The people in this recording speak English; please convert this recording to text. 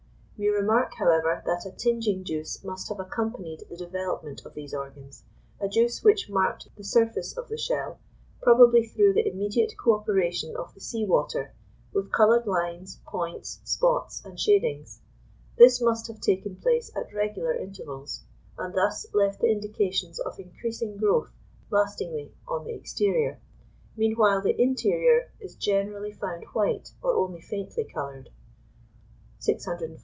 We remark, however, that a tinging juice must have accompanied the development of these organs, a juice which marked the surface of the shell, probably through the immediate co operation of the sea water, with coloured lines, points, spots, and shadings: this must have taken place at regular intervals, and thus left the indications of increasing growth lastingly on the exterior; meanwhile the interior is generally found white or only faintly coloured.